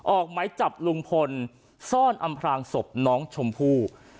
ออกไหมจับลุงพลซ่อนอำพลางศพน้องชมพู่